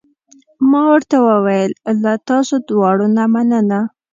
ما ورته وویل: له تاسو دواړو نه مننه.